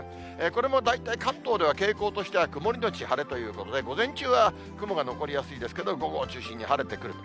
これも大体、関東では傾向としては、曇り後晴れということで、午前中は雲が残りやすいですけど、午後を中心に晴れてくる。